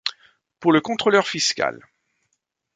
Pour le contrôleur fiscal.